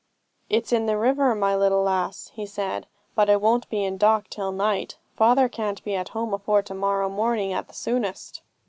'It's in the river, my little lass,' he said, 'but it won't be in dock till night. Father can't be at home afore to morrow morning at the soonest.'